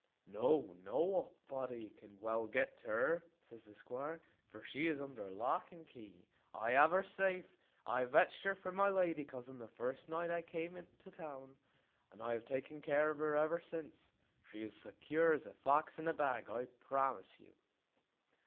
"No, nobody can well get to her," says the squire, "for she is under lock and key. I have her safe; I vetched her from my lady cousin the first night I came to town, and I have taken care o' her ever since; she is as secure as a fox in a bag, I promise you."